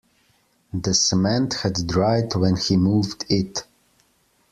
The cement had dried when he moved it.